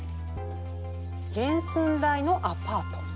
原寸大のアパート。